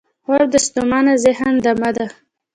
خوب د ستومانه ذهن دمه ده